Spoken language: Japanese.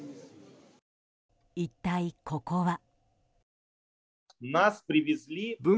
一体、ここは。